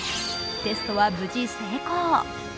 テストは無事、成功。